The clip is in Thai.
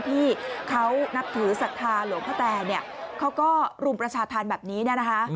ที่เขานับถือศรัทธาหลวงพ่อแต่เขาก็รุมประชาธารแบบนี้นะคะ